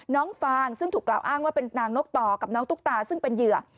ฟางซึ่งถูกกล่าวอ้างว่าเป็นนางนกต่อกับน้องตุ๊กตาซึ่งเป็นเหยื่อ